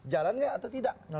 jalan nggak atau tidak